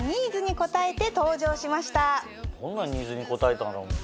どんなニーズに応えたんだろうね？